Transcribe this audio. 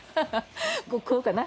こうかな？